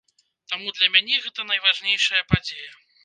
Таму для мяне гэта найважнейшая падзея.